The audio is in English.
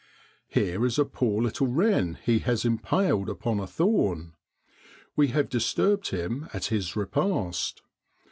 Here is a poor little wren he has impaled upon a thorn. We have disturbed him at his repast.